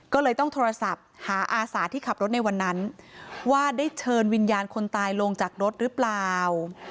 ก็เลยต้องโทรศัพท์หาอาสาที่ขับรถในวันนั้นว่าได้เชิญวิญญาณคนตายลงจากรถหรือเปล่า